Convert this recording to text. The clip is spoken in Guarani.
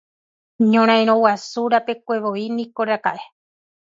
Ñorairõ Guasu rapekuevoi niko raka'e.